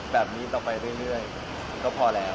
แบบนี้ต่อไปเรื่อยก็พอแล้ว